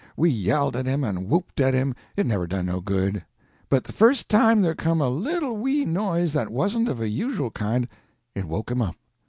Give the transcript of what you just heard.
We yelled at him and whooped at him, it never done no good; but the first time there come a little wee noise that wasn't of a usual kind it woke him up.